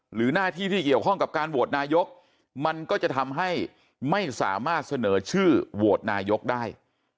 หน้าที่ที่เกี่ยวข้องกับการโหวตนายกมันก็จะทำให้ไม่สามารถเสนอชื่อโหวตนายกได้